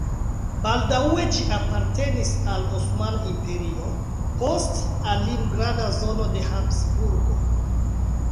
Baldaŭe ĝi apartenis al Osmana Imperio, poste al limgarda zono de Habsburgoj.